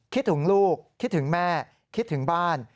คิดถึงลูกคิดถึงแม่คิดถึงบ้าน